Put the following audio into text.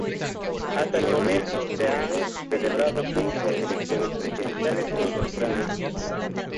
Hasta el momento, se han celebrado cinco elecciones presidenciales en Ucrania.